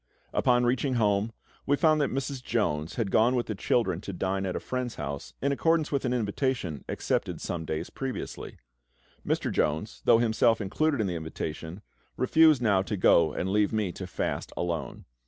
Upon reaching home, we found that Mrs. Jones had gone with the children to dine at a friend's house, in accordance with an invitation accepted some days previously. Mr. Jones, though himself included in the invitation, refused now to go and leave me to fast alone.